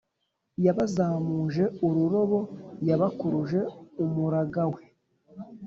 yabazamuje ururobo yabakuruje umuragawe